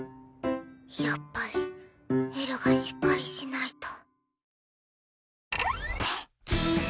やっぱりえるがしっかりしないと。